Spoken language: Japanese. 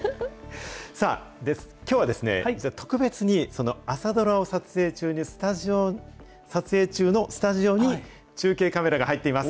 さあ、きょうは特別にその朝ドラを撮影中のスタジオに中継カメラが入っています。